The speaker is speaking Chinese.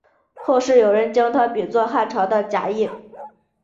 后世有人将他比作汉朝的贾谊。